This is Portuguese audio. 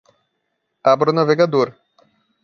Abra o navegador.